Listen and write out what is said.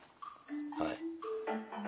はい。